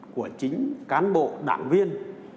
của chính cán bộ đảng viên